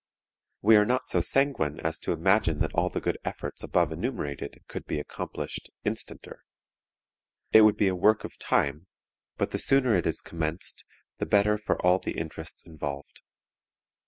We are not so sanguine as to imagine that all the good effects above enumerated could be accomplished instanter. It would be a work of time, but the sooner it is commenced the better for all the interests involved.